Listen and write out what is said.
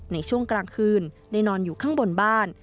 ในช่วงกลางคืนได้นอนอยู่ข้างบนบ้าน